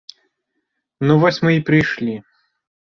Ну, вось мы і прыйшлі.